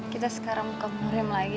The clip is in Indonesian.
kita sekarang muka murnim lagi